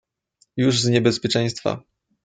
"już z niebezpieczeństwa."